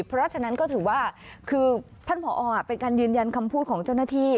เพราะฉะนั้นก็ถือว่าคือท่านผอเป็นการยืนยันคำพูดของเจ้าหน้าที่